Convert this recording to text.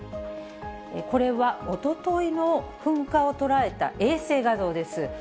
これはおとといの噴火を捉えた衛星画像です。